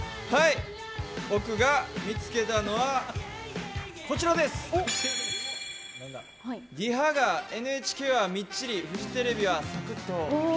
僕が見つけたのは「リハがＮＨＫはみっちりフジテレビはサクッと」。